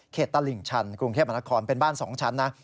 ตลิ่งชันกรุงเทพมนาคอนเป็นบ้าน๒ชั้นนะ